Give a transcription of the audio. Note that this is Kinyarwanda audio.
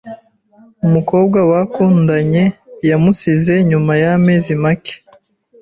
Umukobwa bakundanye yamusize nyuma y'amezi make.